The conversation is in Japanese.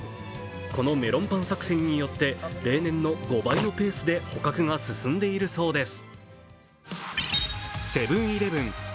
このメロンパン作戦によって例年の５倍のペースで捕獲が進んでいるそうです。